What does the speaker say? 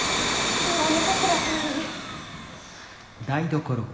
今おみそ汁あっためるね。